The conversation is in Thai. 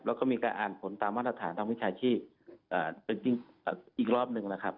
แล้วก็มีการอ่านผลตามมาตรฐานทางวิชาชีพอีกรอบหนึ่งนะครับ